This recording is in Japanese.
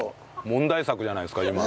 問題作じゃないですか今の。